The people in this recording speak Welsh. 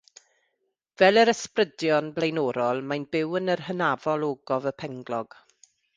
Fel yr Ysbrydion blaenorol, mae'n byw yn yr hynafol Ogof y Penglog.